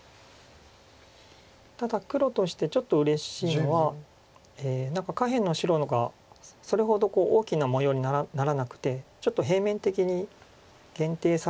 ただ黒としてちょっとうれしいのは何か下辺の白がそれほど大きな模様にならなくてちょっと平面的に限定されてるといいますか。